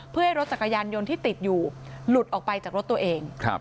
เพื่อให้รถจักรยานยนต์ที่ติดอยู่หลุดออกไปจากรถตัวเอง